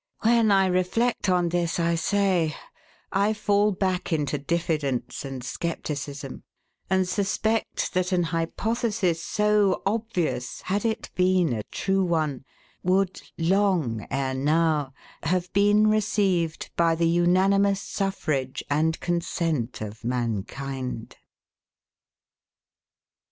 When I reflect on this, I say, I fall back into diffidence and scepticism, and suspect that an hypothesis, so obvious, had it been a true one, would, long ere now, have been received by the unanimous suffrage and consent of mankind.